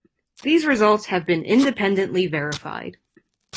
These results have been independently verified.